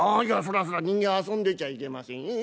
「いやそらそら人間遊んでちゃいけません。